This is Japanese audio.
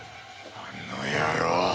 あの野郎！